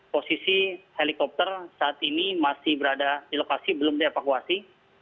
posisi helikopter saat ini masih berada di lokasi belum dievakuasi